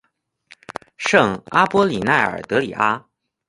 圣阿波利奈尔德里阿。